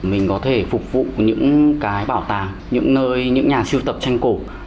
mình có thể phục vụ những cái bảo tàng những nhà siêu tập tranh cổ